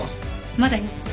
まだよ。